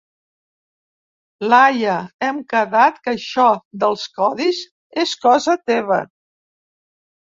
Laia, hem quedat que això dels codis és cosa teva.